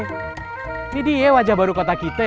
ini dia wajah baru kota kita ya